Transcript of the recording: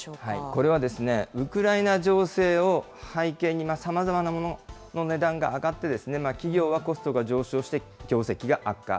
これはウクライナ情勢を背景に、さまざまなものの値段が上がって、企業はコストが上昇して業績が悪化。